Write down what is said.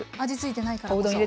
味ついてないからこそ。